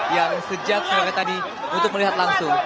yang sejak sore tadi untuk melihat langsung